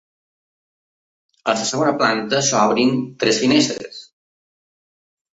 A la segona planta s'obren tres finestres.